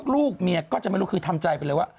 ลูกเมียก็จะไม่รู้คือทำใจไปเลยว่า